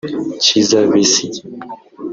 Kizza Besigye